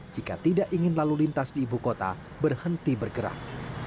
jika tidak ingin lalu lintas di ibu kota berhenti bergerak